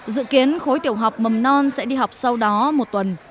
dự kiến khối tiểu học mầm non sẽ đi học sau đó một tuần